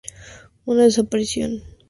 Una desaparición.